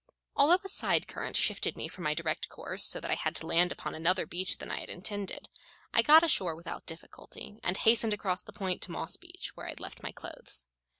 Although a side current shifted me from my direct course so that I had to land upon another beach than I had intended, I got ashore without difficulty, and hastened across the point to Moss Beach, where I had left my clothes.